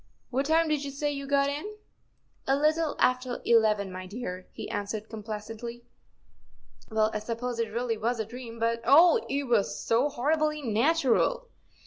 What time did you say you got in ?" "A little after eleven, my dear," he answered, com¬ placently. " Well, I suppose it really was a dream, but, oh! it was so horribly natural."